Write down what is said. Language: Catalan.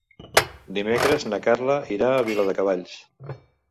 Dimecres na Carla irà a Viladecavalls.